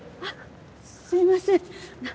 あっすいません。